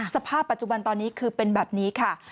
สภาพปัจจุบันตอนนี้คือเป็นแบบนี้ค่ะ